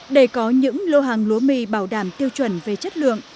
để có những lô hàng lúa mì bảo đảm tiêu chuẩn về chất lượng